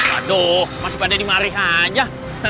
aduh masih pada dimariin aja